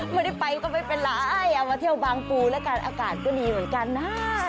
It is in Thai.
ไม่ได้ไปก็ไม่เป็นไรเอามาเที่ยวบางปูแล้วกันอากาศก็ดีเหมือนกันนะ